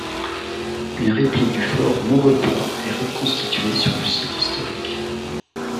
Une réplique du fort Maurepas est reconstituée sur le site historique.